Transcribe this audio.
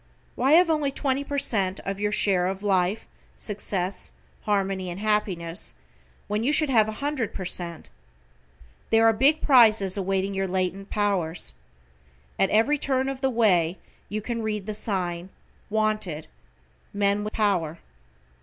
Why have only 20 per cent of your share of Life, Success, Harmony and Happiness, when you should have 100 per cent. There are big prizes awaiting your latent powers. At every turn of the way, you can read the sign: "Wanted. Men with Power."